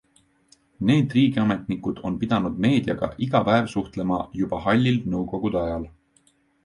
Need riigiametnikud on pidanud meediaga iga päev suhtlema juba hallil nõukogude ajal.